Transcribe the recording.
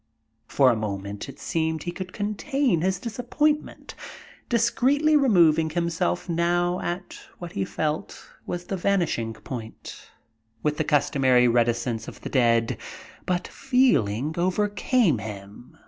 For a moment it seemed he could contain his disappointment, discreetly removing himself now at what he felt was the vanishing point, with the customary reticence of the dead, but feeling overcame him.